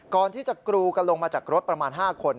ก่อนที่จะกรูกันลงมาจากรถประมาณ๕คน